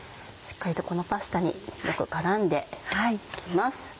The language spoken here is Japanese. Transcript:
しっかりとこのパスタによく絡んで行きます。